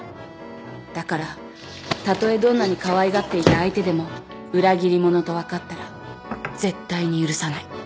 だからたとえどんなにかわいがっていた相手でも裏切り者と分かったら絶対に許さない。